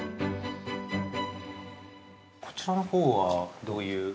◆こちらのほうは、どういう。